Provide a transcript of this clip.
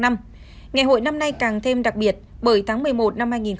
ngày hội năm nay càng thêm đặc biệt bởi tháng một mươi một năm hai nghìn hai mươi ba